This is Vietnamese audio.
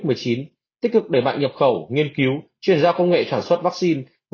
tích cực đẩy mạnh nhập khẩu nghiên cứu chuyển giao công nghệ sản xuất vaccine